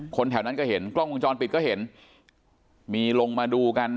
แถวนั้นก็เห็นกล้องวงจรปิดก็เห็นมีลงมาดูกัน